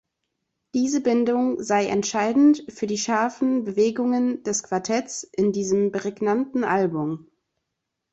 Diese Bindung sei entscheidend für die scharfen Bewegungen des Quartetts in diesem prägnanten Album.